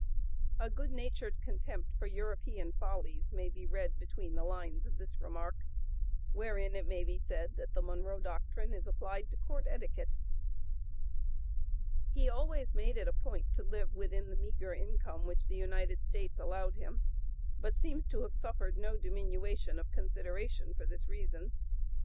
A good natured contempt for European follies may be read between the lines of this remark; wherein it may be said that the Monroe Doctrine is applied to court etiquette. He always made it a point to live within the meagre income which the United States allowed him, but seems to have suffered no diminution of consideration for this reason.